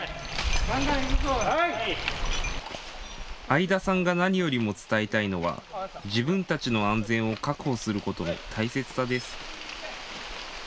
相田さんが何よりも伝えたいのは自分たちの安全を確保することの大切さです。